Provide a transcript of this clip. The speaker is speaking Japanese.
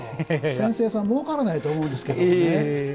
扇子屋さん、もうからないと思うんですけどね。